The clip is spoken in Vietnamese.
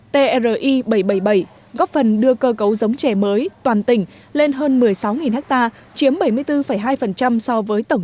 tri bảy trăm bảy mươi bảy góp phần đưa cơ cấu giống chè mới toàn tỉnh lên hơn một mươi sáu ha chiếm bảy mươi bốn hai so với tổng